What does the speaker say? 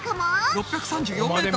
６３４ｍ！